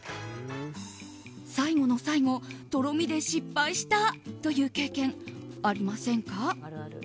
最後の最後、とろみで失敗したという経験ありませんか。